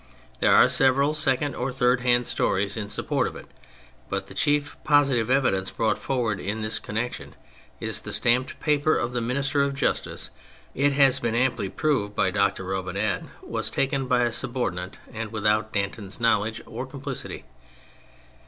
Tliere are several second or third hand stories in support of it^ but the chief positive evidence brought forward in this connection is the stamped paper of the Minister of Justice whichj it has been amply proved by Dr. Robinet, was taken by a subordinate and without Danton's know ledge or complicity.